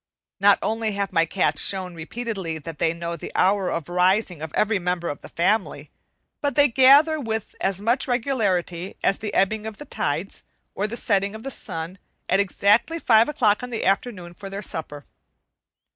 Not only have my cats shown repeatedly that they know the hour of rising of every member of the family, but they gather with as much regularity as the ebbing of the tides, or the setting of the sun, at exactly five o'clock in the afternoon for their supper.